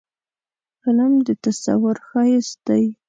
فلم د تصور ښایست دی